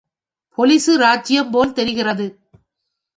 Police இராஜ்யம் போல் தெரிகிறது.